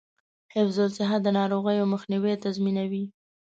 حفظ الصحه د ناروغیو مخنیوی تضمینوي.